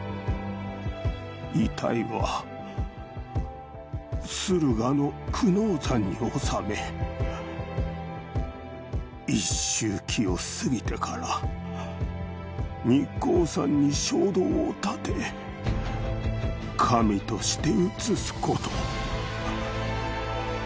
遺体は駿河の久能山に納め一周忌を過ぎてから日光山に小堂を建て神として移すこと。